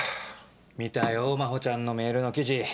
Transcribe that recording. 見たよ真帆ちゃんのメールの記事。